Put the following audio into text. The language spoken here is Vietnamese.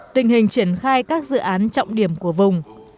tình hình triển khai các dự án trọng điểm của vùng